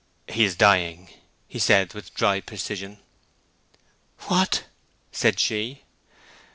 "He is dying," he said, with dry precision. "What?" said she.